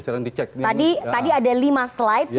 tadi ada lima slide